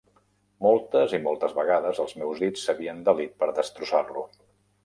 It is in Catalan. Moltes i moltes vegades els meus dits s'havien delit per destrossar-lo.